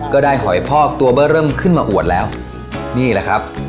หอยพอกตัวเบอร์เริ่มขึ้นมาอวดแล้วนี่แหละครับ